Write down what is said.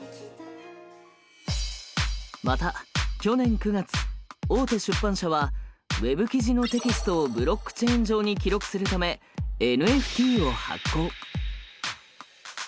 また去年９月大手出版社はＷｅｂ記事のテキストをブロックチェーン上に記録するためＮＦＴを発行。